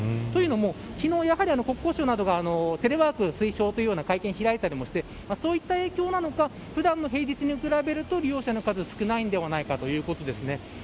というのも昨日やはり、国交省などがテレワーク推奨という会見を開いたりしてそういった影響なのか平日に比べると利用者の数は少ないのではないかということです。